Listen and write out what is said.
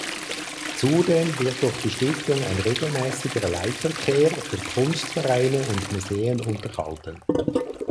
Zudem wird durch die Stiftung ein regelmäßiger Leihverkehr für Kunstvereine und Museen unterhalten.